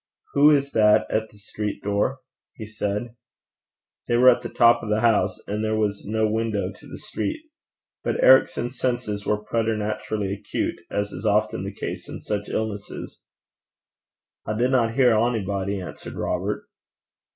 'Who is that at the street door?' he said. They were at the top of the house, and there was no window to the street. But Ericson's senses were preternaturally acute, as is often the case in such illnesses. 'I dinna hear onybody,' answered Robert.